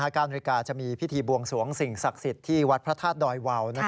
๙นาฬิกาจะมีพิธีบวงสวงสิ่งศักดิ์สิทธิ์ที่วัดพระธาตุดอยวาว